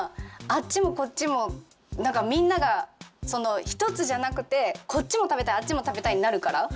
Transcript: あっちもこっちも何かみんなが一つじゃなくてこっちも食べたいあっちも食べたいってなるから？